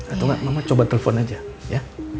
atau enggak mama coba telepon aja ya